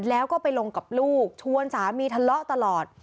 แล้วก็ไปลงกับลูกชวนสามีทะเลาะตลอด